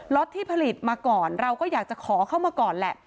ที่ผลิตมาก่อนเราก็อยากจะขอเข้ามาก่อนแหละ